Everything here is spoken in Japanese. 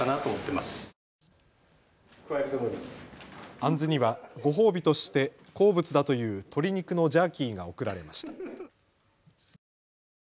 アンズにはご褒美として好物だという鶏肉のジャーキーが贈られました。